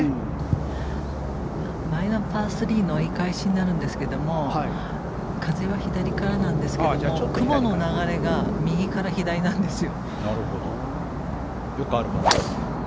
前のパー３の折り返しになるんですが風は左からなんですけども雲の流れが右から左なんですよ。